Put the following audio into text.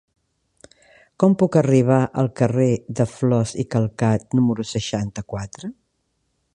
Com puc arribar al carrer de Flos i Calcat número seixanta-quatre?